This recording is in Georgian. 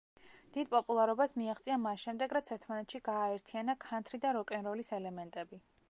დიდ პოპულარობას მიაღწია მას შემდეგ, რაც ერთმანეთში გააერთიანა ქანთრი და როკ-ენ-როლის ელემენტები.